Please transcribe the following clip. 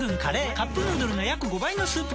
「カップヌードル」の約５倍のスープコスト！